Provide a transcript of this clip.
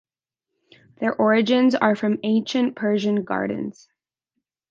Their origins are from ancient Persian gardens.